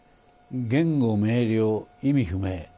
言語明瞭、意味不明。